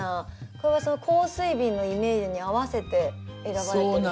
これは香水瓶のイメージに合わせて選ばれてるんですか？